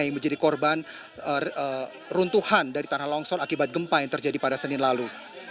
yang menjadi korban runtuhan dari tanah longsor akibat gempa yang terjadi pada senin lalu